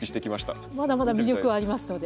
まだまだ魅力はありますので。